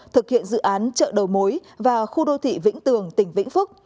thực hiện dự án chợ đầu mối và khu đô thị vĩnh tường tỉnh vĩnh phúc